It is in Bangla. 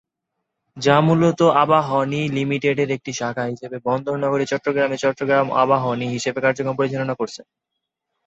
যা মূলত আবাহনী লিমিটেডের একটি শাখা হিসেবে বন্দর নগরী চট্টগ্রামে চট্টগ্রাম আবাহনী হিসেবে কার্যক্রম পরিচালনা করছে।